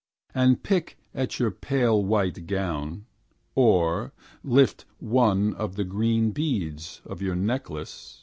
And pick At your pale white gown; Or lift one of the green beads Of your necklace.